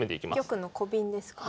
玉のコビンですかね。